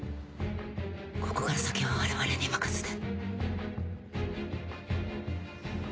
ここから先は我々に任せて。